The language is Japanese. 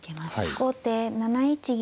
後手７一銀。